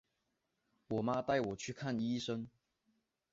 我妈带我去看医生